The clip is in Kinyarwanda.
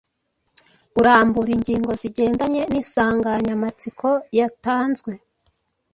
urambura ingingo zigendanye n’insanganyamatsiko yatanzwe.